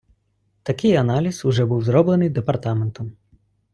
Такий аналіз уже був зроблений департаментом.